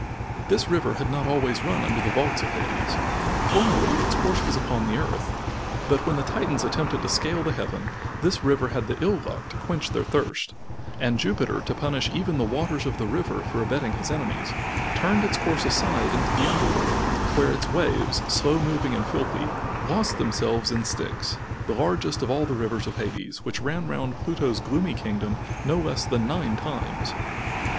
This river had not always run under the vaults of Hades. Formerly its course was upon the earth. But when the Titans attempted to scale the heaven, this river had the ill luck to quench their thirst, and Jupiter to punish even the waters of the river for abetting his enemies, turned its course aside into the under world where its waves, slow moving and filthy, lost themselves in Styx, the largest of all the rivers of Hades, which ran round Pluto's gloomy kingdom no less than nine times.